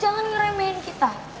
jangan ngeremehin kita